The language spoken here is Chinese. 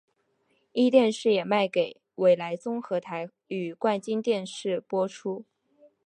壹电视也卖给纬来综合台与冠军电视播出。